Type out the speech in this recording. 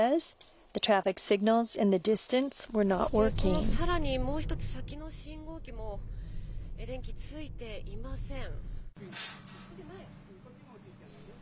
そしてこのさらにもう１つ先の信号機も電気、ついていません。